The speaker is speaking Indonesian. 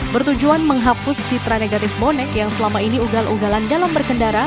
bertujuan menghapus citra negatif bonek yang selama ini ugal ugalan dalam berkendara